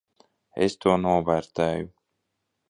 Es to novērtēju.